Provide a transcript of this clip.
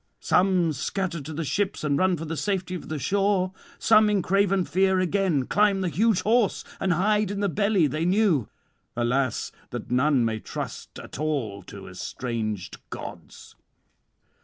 Some scatter to the ships and run for the safety of the shore; some in craven fear again climb the huge horse, and hide in the belly they knew. Alas that none may trust at all to estranged gods!